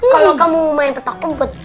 kalau kamu mau main petak kumpet